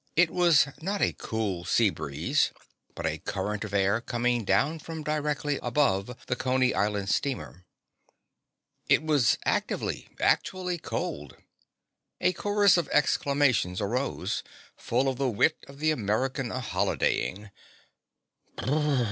It was not a cool sea breeze, but a current of air coming down from directly above the Coney Island steamer. It was actively, actually cold. A chorus of exclamations arose, full of the wit of the American a holidaying.